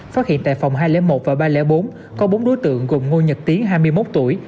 phát hiện tại phòng hai trăm linh một và ba trăm linh bốn có bốn đối tượng gồm ngô nhật tiến hai mươi một tuổi